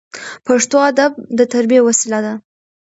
پښتو ادب د تربیې وسیله ده.